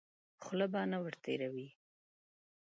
خوله به نه ور تېروې.